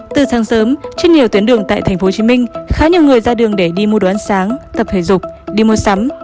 từ sáng sớm trên nhiều tuyến đường tại tp hcm khá nhiều người ra đường để đi mua đón sáng tập thể dục đi mua sắm